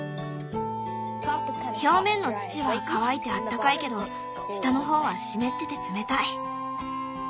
表面の土は乾いてあったかいけど下の方は湿ってて冷たい。